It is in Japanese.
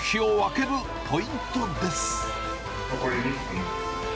残り１分。